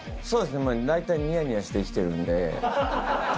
そうですね、大体にやにやして生きてるんで。